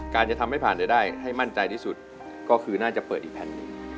จะทำให้ผ่านจะได้ให้มั่นใจที่สุดก็คือน่าจะเปิดอีกแผ่นหนึ่ง